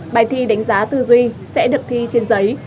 bài thi đánh giá tư duy sẽ được thi trên giấy